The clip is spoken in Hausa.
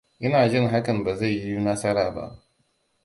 Ina jin hakan ba zai yi nasara ba.